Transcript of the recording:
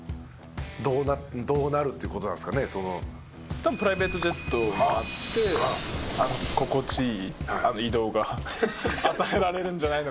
多分プライベートジェットがあって心地いい移動が与えられるんじゃないのかな。